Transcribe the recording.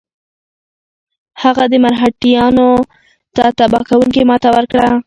هغه مرهټیانو ته تباه کوونکې ماته ورکړه.